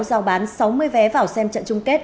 giao bán sáu mươi vé vào xem trận chung kết